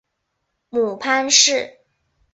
母潘氏。